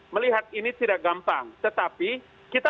melihat ini tidak gampang tetapi kita